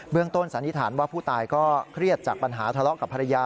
ต้นสันนิษฐานว่าผู้ตายก็เครียดจากปัญหาทะเลาะกับภรรยา